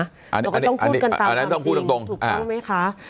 เราก็ต้องพูดกันตามจริงถูกรู้ไหมคะ